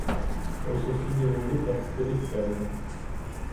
У сусідів у вікнах скрізь темно.